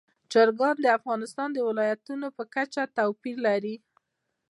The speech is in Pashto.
چرګان د افغانستان د ولایاتو په کچه توپیر لري.